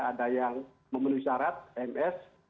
ada yang memenuhi syarat ms